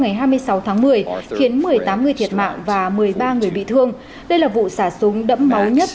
ngày hai mươi sáu tháng một mươi khiến một mươi tám người thiệt mạng và một mươi ba người bị thương đây là vụ xả súng đẫm máu nhất